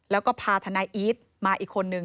แล้วก็พาทนายอีทมาอีกคนนึง